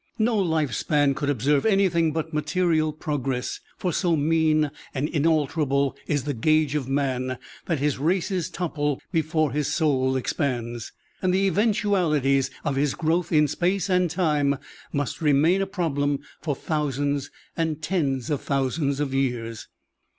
No life span could observe anything but material progress, for so mean and inalterable is the gauge of man that his races topple before his soul expands, and the eventualities of his growth in space and time must remain a problem for thousands and tens of thousands of years.